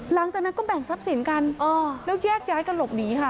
หลังจากนั้นก็แบ่งทรัพย์สินกันแล้วแยกย้ายกันหลบหนีค่ะ